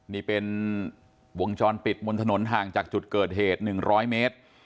นี่เป็นวงจรปิดบนถนนห่างจากจุดเกิดเหตุ๑๐๐เมตร